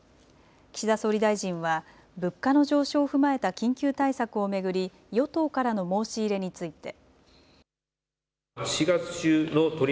岸田総理大臣は物価の上昇を踏まえた緊急対策を巡り与党からの申し入れについて。